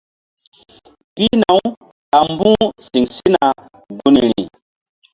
Pihna- uɓa mbu̧h siŋ sina gunri.